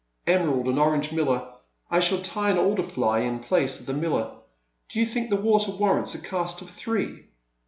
Emerald and Orange Miller — I shall tie an Alder fly in place of the Miller. Do you think the water warrants a cast of three?